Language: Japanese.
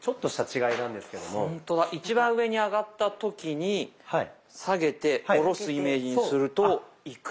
一番上に上がった時に下げて下ろすイメージにするといく。